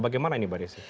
bagaimana ini mbak desi